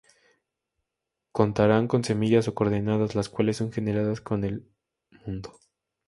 Contarán con semillas o coordenadas, las cuales son generadas con el mundo.